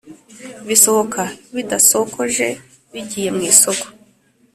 bisohoka bidasokoje bigiye mw’isoko